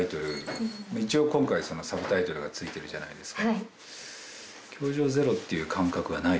「一応今回そのサブタイトルが付いてるじゃないですか」